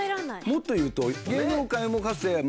もっと言うと。